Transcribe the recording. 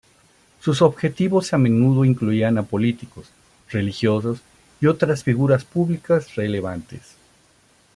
Sus objetivos a menudo incluían a políticos, religiosos, y otras figuras públicas relevantes.